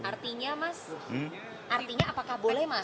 artinya mas apakah boleh masuk